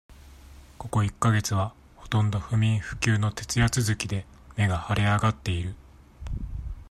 ここ一ヶ月は、ほとんど不眠不休の徹夜続きで、目が腫れ上がっている。